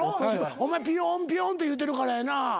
お前ピヨーンピヨーンって言うてるからやな。